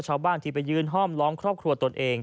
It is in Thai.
ชาวบ้านที่ไปยืนห้อมล้อมครอบครัวตนเอง